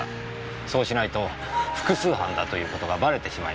そうしないと複数犯ということがバレてしまいますからね。